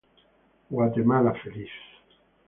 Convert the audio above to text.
¡Guatemala feliz!